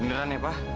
beneran ya pa